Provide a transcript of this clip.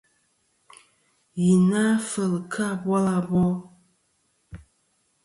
Yì na kfel kɨ abil abol.